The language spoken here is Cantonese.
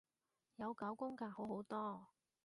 有九宮格好好多